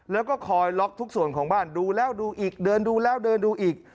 แล้วก็คอยล็อกทุกส่วนของบ้านดูแล้วดูอีกเดินดูแล้วเดินดูอีก